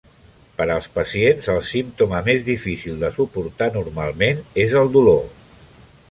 Per als pacients, el símptoma més difícil de suportar normalment és el dolor.